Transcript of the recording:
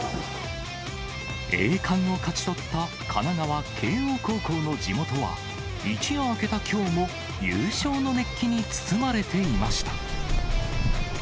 栄冠を勝ち取った神奈川・慶応高校の地元は、一夜明けたきょうも優勝の熱気に包まれていました。